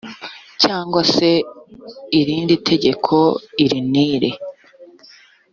cyangwa se irindi tegeko iri n iri